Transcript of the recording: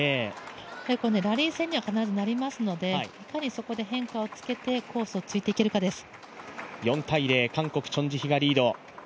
ラリー戦には必ずなりますのでそこで変化をつけてコースを突いていけるかです。